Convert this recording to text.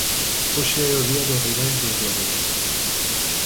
Hoxe é o día dos rivais do esloveno.